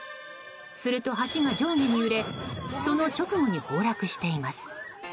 すると橋が上下に揺れその直後に崩落しています。